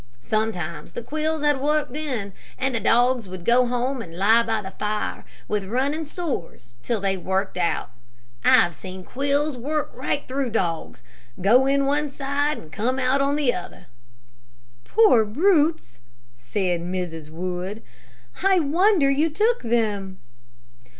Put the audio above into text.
Sometimes the quills had worked in, and the dogs would go home and lie by the fire with running sores till they worked out. I've seen quills work right through dogs. Go in on one side and come out on the other." "Poor brutes," said Mrs. Wood. "I wonder you took them."